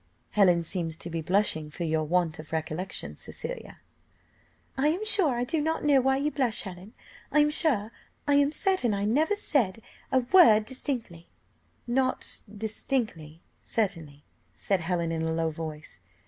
"Helen seems to be blushing for your want of recollection, Cecilia." "I am sure I do not know why you blush, Helen. I am certain I never did say a word distinctly." "Not distinctly certainly," said Helen in a low voice.